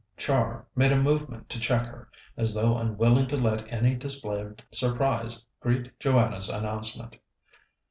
Char made a movement to check her, as though unwilling to let any display of surprise greet Joanna's announcement.